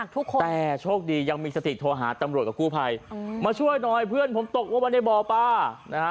แต่โชคดียังมีสติดโทรหาตำรวจกับกู้ภัยมาช่วยหน่อยเพื่อนผมตกว่ามาในบ่อป่า